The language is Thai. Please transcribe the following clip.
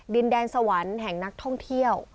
ดินแดนสวรรค์แห่งนักท่องเที่ยว